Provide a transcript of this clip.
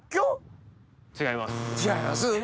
違います？